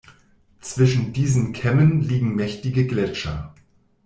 Zwischen diesen Kämmen liegen mächtige Gletscher.